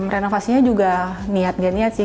renovasinya juga niat niat niat sih